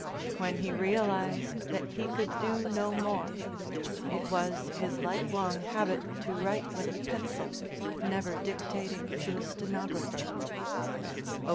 _ _When he realized that he could do no more (it was his lifelong habit to write with a pencil, never dictating to a stenographer), O.